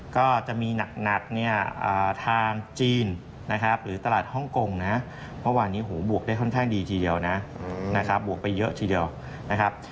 ก็จะมีหนักทางจีนหรือตลาดฮ่องโกงนะวันวันนี้บวกได้ค่อนข้างดีทีเดียวนะบวกไปเยอะทีเดียวนะครับ